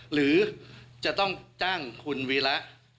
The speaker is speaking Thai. หรือจะต้องจ้างคุณวีระ